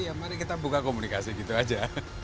ya buka komunikasi gitu saja